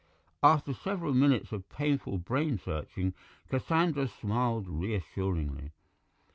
After several minutes of painful brain searching, Cassandra smiled reassuringly.